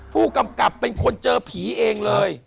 ผู้กำกับเป็นคนเจอผีเองเลย